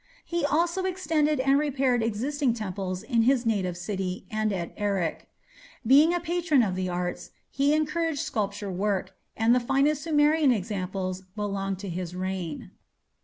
He also extended and repaired existing temples in his native city and at Erech. Being a patron of the arts, he encouraged sculpture work, and the finest Sumerian examples belong to his reign.